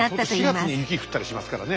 ４月に雪降ったりしますからね。